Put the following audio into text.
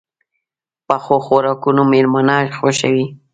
پخو خوراکونو مېلمانه خوښوي